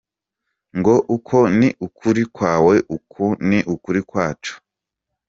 “ngo uko ni ukuri kwawe, uku ni ukuri kwacu”